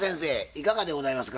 いかがでございますか？